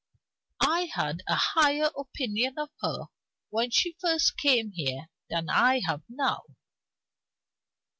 "I had a higher opinion of her when she first came here than I have now."